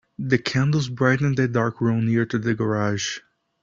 The candles brightened the dark room near to the garage.